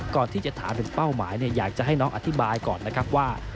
ก่อนที่จะถามถึงเป้าหมายอยากจะให้น้องอธิบายก่อนนะครับว่า